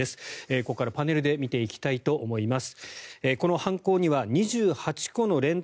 ここからパネルで見ていきたいと思います。